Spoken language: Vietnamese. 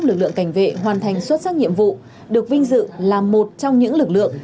lực lượng cảnh vệ hoàn thành xuất sắc nhiệm vụ được vinh dự là một trong những lực lượng